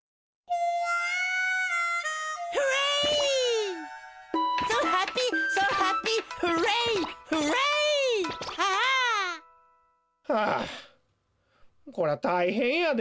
Ｈａｈａ！はあこりゃたいへんやで。